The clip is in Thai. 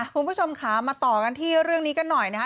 คุณผู้ชมค่ะมาต่อกันที่เรื่องนี้กันหน่อยนะคะ